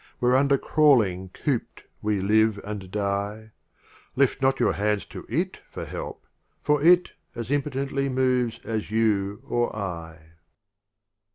m Whereunder crawling coop'd we live and die, Lift not your hands to // for help — for It As impotently moves as you or I. LXIIII.